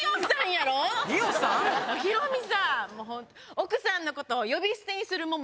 奥さんのこと呼び捨てにする萌々